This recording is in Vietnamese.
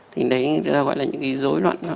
thì đấy gọi là những cái dối loạn